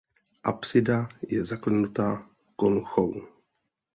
Apsida je zaklenuta konchou.